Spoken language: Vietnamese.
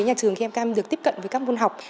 nhà trường được tiếp cận với các môn học